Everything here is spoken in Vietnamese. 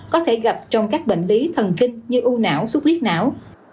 có thể gặp trong các bệnh lý thần kinh như u não xúc liết não